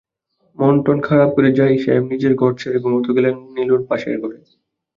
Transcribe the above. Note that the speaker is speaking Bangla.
মনটন খারাপ করে জাহিদ সাহেব নিজের ঘর ছেড়ে ঘুমাতে গেলেন নীলুর পাশের ঘরে।